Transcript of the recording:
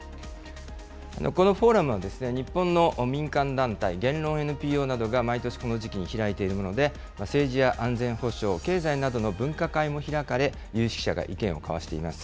このフォーラムは日本の民間団体、言論ＮＰＯなどが毎年この時期に開いているもので、政治や安全保障、経済などの分科会も開かれ、有識者が意見を交わしています。